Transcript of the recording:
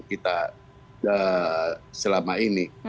kita juga agak ngeri ngeri sedang